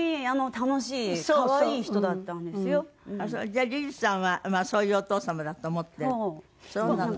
じゃあリズさんはそういうお父様だと思ってる。